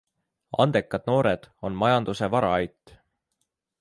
Andekad noored on majanduse varaait.